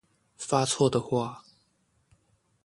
發錯的話